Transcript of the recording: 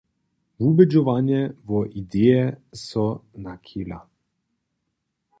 Wubědźowanje wo ideje so nachila.